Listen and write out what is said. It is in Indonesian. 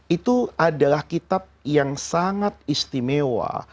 itu adalah kitab yang sangat istimewa